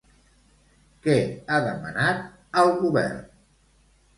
Què ha demanat al govern?